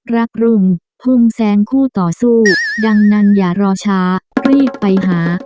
รักรุงพุ่งแซงคู่ต่อสู้ดังนั้นอย่ารอช้ารีบไปหา